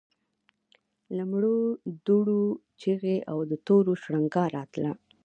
له مړو دوړو چيغې او د تورو شرنګا راتله.